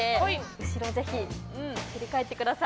後ろ、ぜひ振り返ってください。